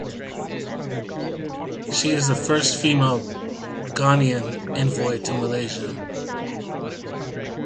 She is the first female Ghanaian envoy to Malaysia.